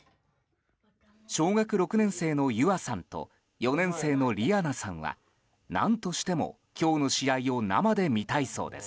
小学６年生の優杏さんと４年史の凛奈さんは何としても、今日の試合を生で見たいそうです。